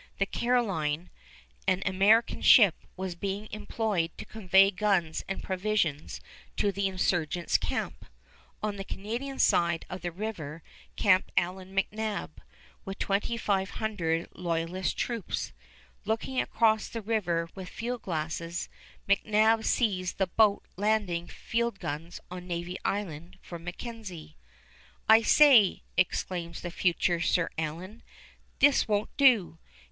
The Caroline, an American ship, was being employed to convey guns and provisions to the insurgents' camp. On the Canadian side of the river camped Allan McNab with twenty five hundred loyalist troops. Looking across the river with field glasses, McNab sees the boat landing field guns on Navy Island for MacKenzie. "I say," exclaims the future Sir Allan, "this won't do!